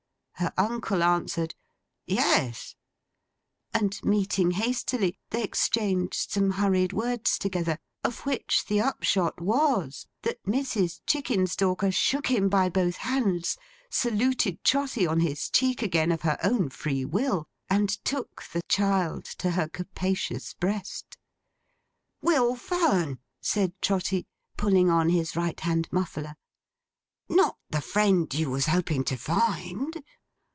Her uncle answered 'Yes,' and meeting hastily, they exchanged some hurried words together; of which the upshot was, that Mrs. Chickenstalker shook him by both hands; saluted Trotty on his cheek again of her own free will; and took the child to her capacious breast. 'Will Fern!' said Trotty, pulling on his right hand muffler. 'Not the friend you was hoping to find?